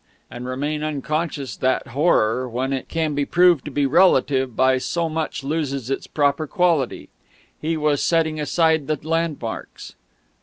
and remain unconscious that horror, when it can be proved to be relative, by so much loses its proper quality. He was setting aside the landmarks.